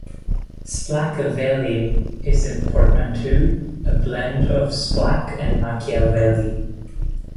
"Splackavellie" is a portmanteau, a blend of "Splack" and "Machiavelli.